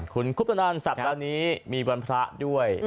คุณคุพธนาญสับตอนนี้มีวนภรรภ์ด้วย